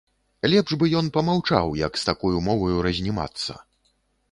Лепш бы ён памаўчаў, як з такою моваю разнімацца.